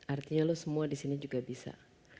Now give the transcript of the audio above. artinya lo semua disini juga bisa